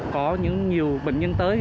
có những nhiều bệnh nhân tới